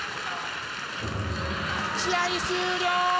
試合終了！